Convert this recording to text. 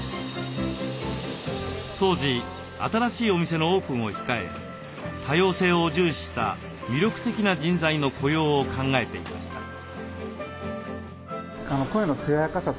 当時新しいお店のオープンを控え多様性を重視した魅力的な人材の雇用を考えていました。